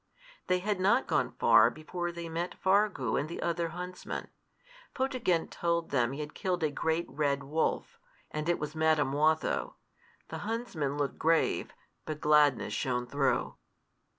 They had not gone far before they met Fargu and the other huntsmen. Photogen told them he had killed a great red wolf, and it was Madam Watho. The huntsmen looked grave, but gladness shone through.